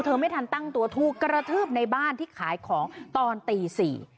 ไม่ทันตั้งตัวถูกกระทืบในบ้านที่ขายของตอนตีสี่